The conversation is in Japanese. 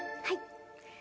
はい。